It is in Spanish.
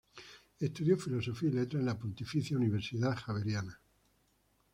Estudió Filosofía y Letras en la Pontificia Universidad Javeriana.